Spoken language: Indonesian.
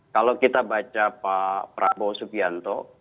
kalau kita baca pak prabowo subianto